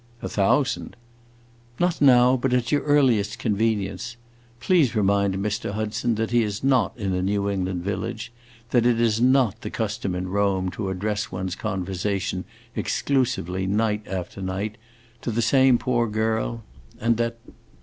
"A thousand!" "Not now, but at your earliest convenience. Please remind Mr. Hudson that he is not in a New England village that it is not the custom in Rome to address one's conversation exclusively, night after night, to the same poor girl, and that"....